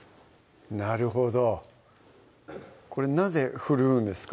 なるほどこれなぜふるうんですか？